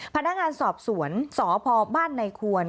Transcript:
พนักงานสอบสวนสพบ้านในควร